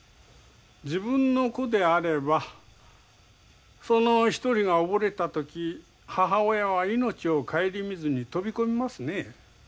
自分の子であればその一人が溺れた時母親は命を顧みずに飛び込みますね。